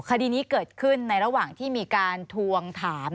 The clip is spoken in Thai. คดีนี้เกิดขึ้นในระหว่างที่มีการทวงถาม